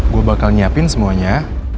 gue bakal nyiapin semuanya